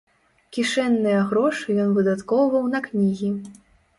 Кішэнныя грошы ён выдаткоўваў на кнігі.